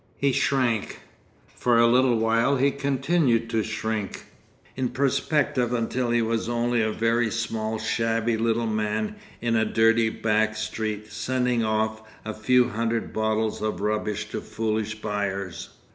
He shrank—for a little while he continued to shrink—in perspective until he was only a very small shabby little man in a dirty back street, sending off a few hundred bottles of rubbish to foolish buyers.